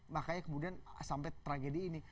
makanya kemudian sampai tragedi ini